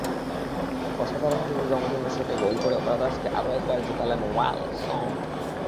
অসাধারণ দুটি রংধনু শটে গোল করে ব্রাদার্সকে আরও একবার জেতালেন ওয়ালসন।